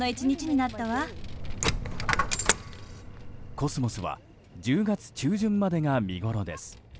コスモスは１０月中旬までが見ごろです。